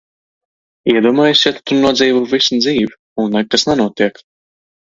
Iedomājies, ja tu tur nodzīvo visu dzīvi, un nekas nenotiek!